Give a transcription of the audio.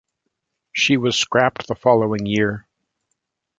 She was scrapped the following year.